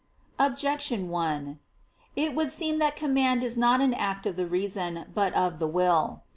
Objection 1: It would seem that command is not an act of the reason but of the will.